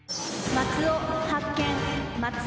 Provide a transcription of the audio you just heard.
松尾発見。